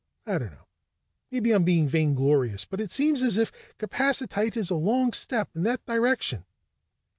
I don't know maybe I'm being vainglorious, but it does seem as if capacitite is a long step in that direction."